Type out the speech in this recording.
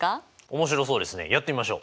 面白そうですねやってみましょう！